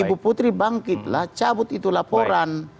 ibu putri bangkitlah cabut itu laporan